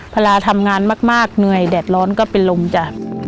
เวลาทำงานมากเหนื่อยแดดร้อนก็เป็นลมจ้ะ